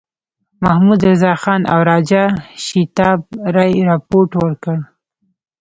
محمدرضاخان او راجا شیتاب رای رپوټ ورکړ.